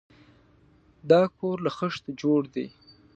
دا کور له خښتو جوړ دی.